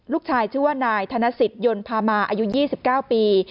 ชื่อว่านายธนสิทธิยนต์พามาอายุ๒๙ปี